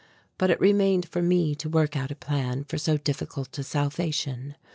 But it remained for me to work out a plan for so difficult a salvation.